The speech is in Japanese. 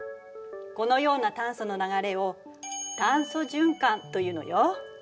このような炭素の流れを炭素循環というのよ。